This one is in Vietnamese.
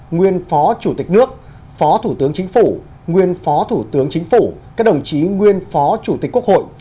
nguyên phó chủ tịch nước phó thủ tướng chính phủ nguyên phó thủ tướng chính phủ các đồng chí nguyên phó chủ tịch quốc hội